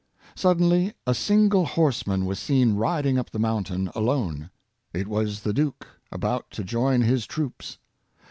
Suddenly a single horseman was seen riding up the mountain alone. It was the duke, about to join his Influence of Character, 77 troops.